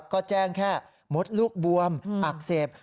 ก็แจ้งแค่มดลูกบวมอักเสบ